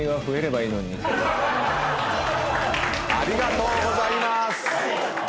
ありがとうございます！